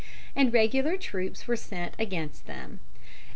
and regular troops were sent against them.